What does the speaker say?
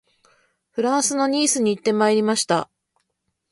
フランスのニースに行ってまいりました